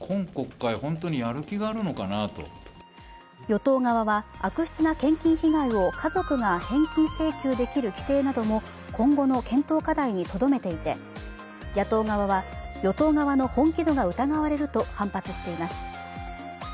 与党側は、悪質な献金被害を家族が返金請求できる規定なども今後の検討課題にとどめていて、野党側は、与党側の本気度が疑われると反発しています。